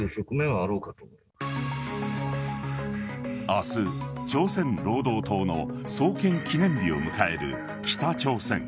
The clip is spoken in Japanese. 明日、朝鮮労働党の創建記念日を迎える北朝鮮。